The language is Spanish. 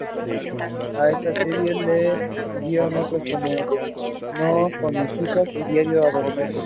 A esta serie le siguieron otras como "No con mis hijas" y "Diario adolescente".